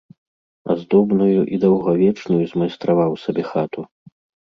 Аздобную і даўгавечную змайстраваў сабе хату.